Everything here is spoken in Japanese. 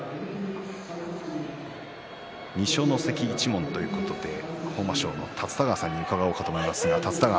二所ノ関一門というとこで豊真将の立田川さんに伺います。